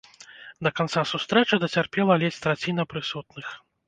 Да канца сустрэчы дацярпела ледзь траціна прысутных.